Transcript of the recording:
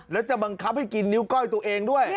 แล้วจะบังคับให้กินนิ้วก้อยตัวเองด้วย